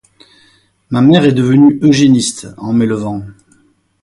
Ma mère est devenue eugéniste en m’élevant.